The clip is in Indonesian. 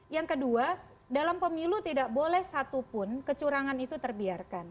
yang kedua dalam pemilu tidak boleh satupun kecurangan itu terbiarkan